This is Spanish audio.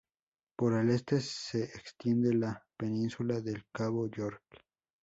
Por el este se extiende la península del Cabo York.